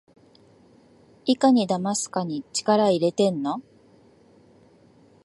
いかにだますかに力いれてんの？